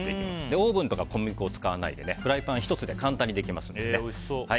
オーブンとか小麦粉を使わないでフライパン１つで簡単にできますので。